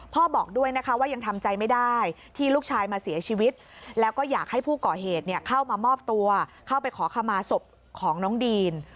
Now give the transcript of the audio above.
บอกด้วยนะคะว่ายังทำใจไม่ได้ที่ลูกชายมาเสียชีวิตแล้วก็อยากให้ผู้ก่อเหตุเข้ามามอบตัวเข้าไปขอขมาศพของน้องดีน